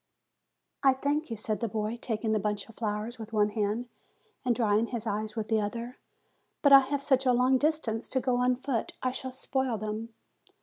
"I thank you," said the boy, taking the bunch of flowers with one hand and drying his eyes with the other; "but I have such a long distance to go on foot I shall spoil them."